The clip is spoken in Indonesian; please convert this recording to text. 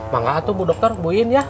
makasih bu dokter buin ya